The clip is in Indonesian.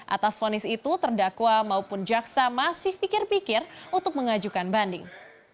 atas fonis itu terdakwa maupun jaksa masih pikir pikir untuk mengajukan banding